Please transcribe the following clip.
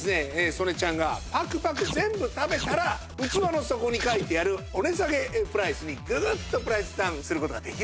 曽根ちゃんがパクパク全部食べたら器の底に書いてあるお値下げプライスにググッとプライスダウンする事ができると。